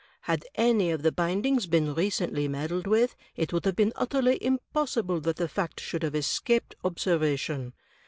Had any of the bindings been recently meddled with, it would have been utterly impossible that the fact should have escaped observation.